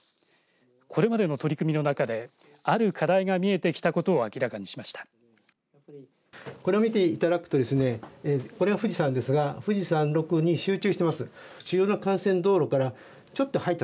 これまでの取り組みの中である課題が見えてきたことを明らかにしました。